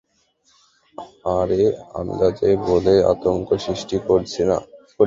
আরে আন্দাজে বলে আতঙ্ক সৃষ্টি করিস না।